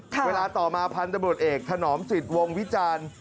เวลาต่อมาพันธบรวจเอกถนอมสิทธิ์วงวิจารณ์